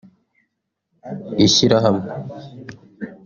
Ishyirahamwe